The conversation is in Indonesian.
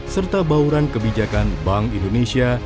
serta bauran kebijakan bank indonesia